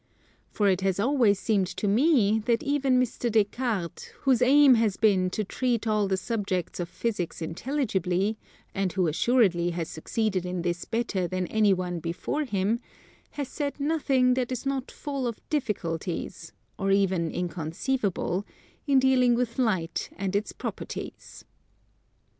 For it has always seemed tome that even Mr. Des Cartes, whose aim has been to treat all the subjects of Physics intelligibly, and who assuredly has succeeded in this better than any one before him, has said nothing that is not full of difficulties, or even inconceivable, in dealing with Light and its properties.